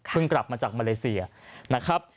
กลับมาจากมาเลเซียนะครับ